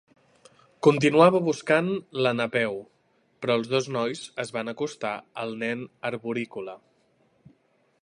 Continuava buscant la Napeu, però els dos nois es van acostar al nen arborícola.